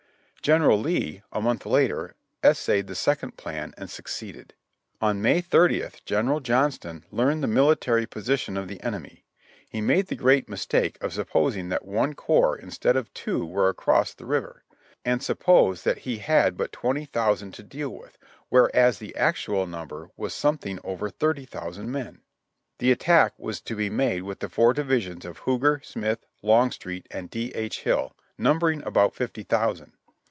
General Lee, a month later, essayed the second plan and suc ceeded. On May 30th General Johnston learned the military position of the enemy. He made the great mistake of supposing that one corps instead of two was across the river, and supposed that he had but twenty thousand to deal with, v.'hereas the actual number was something over thirty thousand men. The attack was to be made with the four divisions of Huger, Smith, Longstreet, and D. H. Hill, numbering about fifty thou sand.